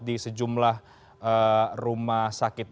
di sejumlah rumah sakit